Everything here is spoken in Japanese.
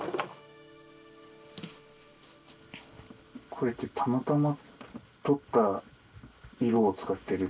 これってたまたま取った色を使っているんですか？